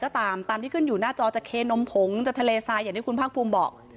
ก็ตามตามที่ขึ้นอยู่หน้าจอจะเคนมผงจะทะเลทรายอย่างที่คุณภาคภูมิบอก